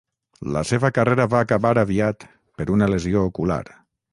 La seva carrera va acabar aviat per una lesió ocular.